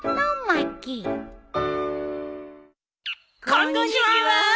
・こんにちは。